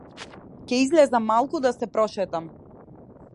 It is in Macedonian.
Ќе излезам малку да се прошетам.